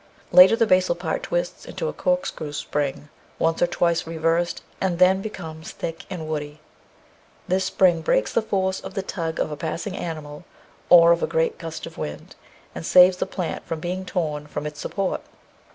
Later the basal part twists into a corkscrew spring once or twice reversed, and then becomes thick and woody. This spring breaks the force of the tug of a passing animal or of a gust of wind, and saves the plant from being torn from its support.